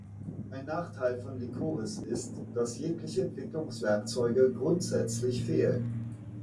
Ein Nachteil von Lycoris ist, dass jegliche Entwicklungswerkzeuge grundsätzlich fehlen.